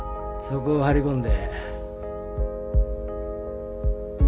そこを張り込んで。